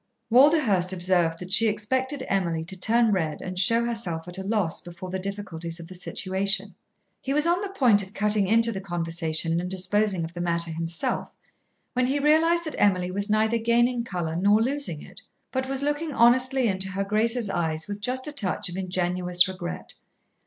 Walderhurst observed that she expected Emily to turn red and show herself at a loss before the difficulties of the situation. He was on the point of cutting into the conversation and disposing of the matter himself when he realised that Emily was neither gaining colour nor losing it, but was looking honestly into her Grace's eyes with just a touch of ingenuous regret.